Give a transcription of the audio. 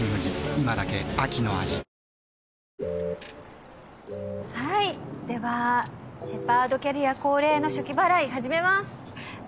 今だけ秋の味はいではシェパードキャリア恒例の暑気払い始めます。